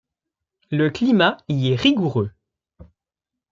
Le climat y est rigoureux.